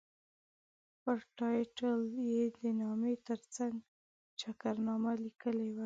پر ټایټل یې د نامې ترڅنګ چکرنامه لیکلې وه.